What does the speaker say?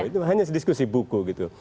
itu hanya diskusi buku gitu